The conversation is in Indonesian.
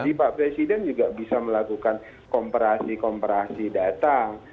jadi pak presiden juga bisa melakukan komparasi komparasi datang